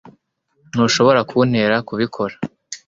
ntushobora kuntera kubikora